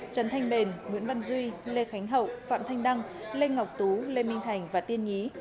trần thanh bền nguyễn văn duy lê khánh hậu phạm thanh đăng lê ngọc tú lê minh thành và tiên nhí